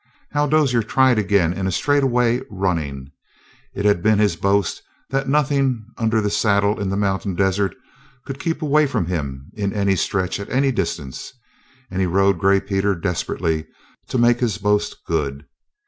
Hal Dozier tried again in straightaway running. It had been his boast that nothing under the saddle in the mountain desert could keep away from him in a stretch of any distance, and he rode Gray Peter desperately to make his boast good.